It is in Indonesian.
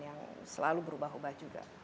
yang selalu berubah ubah juga